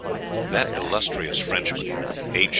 That illustrious Frenchman, H.